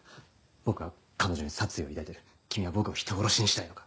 僕は彼女に殺意を抱いてる君は僕を人殺しにしたいのか？